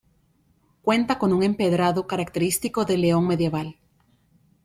Cuenta con un empedrado característico del León medieval.